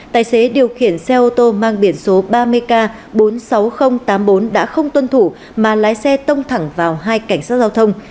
tài xế điều khiển xe ô tô mang biển số ba mươi k bốn mươi sáu nghìn tám mươi bốn đã không tuân thủ mà lái xe tông thẳng vào hai cảnh sát giao thông